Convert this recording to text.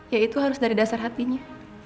ya itu harus dari dasar hatinya